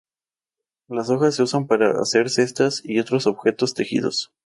Las hojas se usan para hacer cestas y otros objetos tejidos.